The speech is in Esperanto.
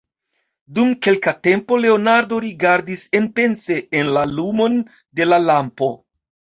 Dum kelka tempo Leonardo rigardis enpense en la lumon de la lampo.